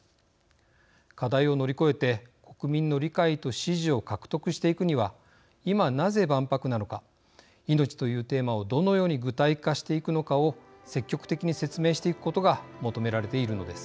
課題を乗り越えて国民の理解と支持を獲得していくには今、なぜ万博なのか命というテーマをどのように具体化していくのかを積極的に説明していくことが求められているのです。